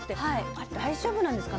あれ大丈夫なんですか？